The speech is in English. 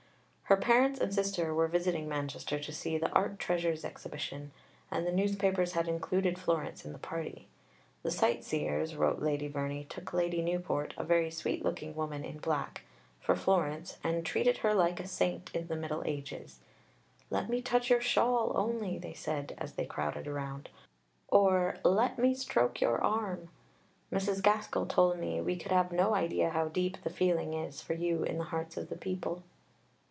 Her parents and sister were visiting Manchester to see the "Art Treasures Exhibition," and the newspapers had included Florence in the party. The sightseers, wrote Lady Verney, took Lady Newport, "a very sweetlooking woman in black," for Florence and "treated her like a saint of the Middle Ages. 'Let me touch your shawl only,' they said as they crowded round, or 'Let me stroke your arm.' Mrs. Gaskell told me we could have no idea how deep the feeling is for you in the hearts of the people."